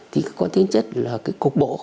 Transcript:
thì có tính chất là cái cục bộ